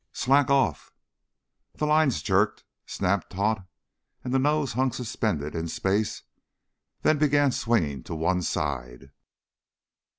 "Slack off!" The lines jerked, snapped taut, and the nose hung suspended in space, then began swinging to one side.